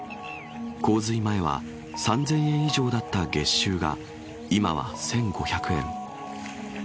洪水前は３０００円以上だった月収が今は１５００円。